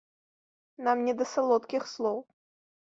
Нам не да салодкіх слоў.